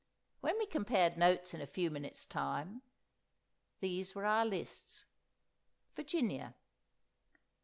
When we compared notes in a few minutes' time, these were our lists:— VIRGINIA.